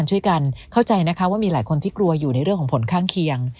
ช่วยกันเข้าใจนะคะว่ามีหลายคนที่กลัวอยู่ในเรื่องของผลข้างเคียง